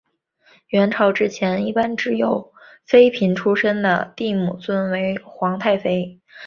阮朝之前一般只有妃嫔出身的帝母尊为皇太妃。